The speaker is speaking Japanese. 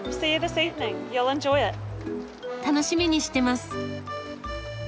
楽しみにしてます。